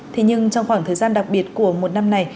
thế nhưng trong khoảng thời gian đặc biệt của một năm này